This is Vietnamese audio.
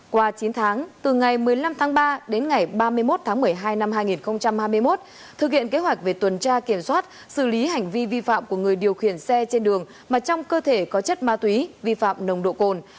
qua chín tháng từ ngày một mươi năm tháng ba đến ngày ba mươi một tháng một mươi hai năm hai nghìn hai mươi một thực hiện kế hoạch về tuần tra kiểm soát xử lý hành vi vi phạm của người điều khiển xe trên đường mà trong cơ thể có chất ma túy vi phạm nồng độ cồn